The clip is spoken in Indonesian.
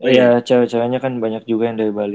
iya cewek ceweknya kan banyak juga yang dari bali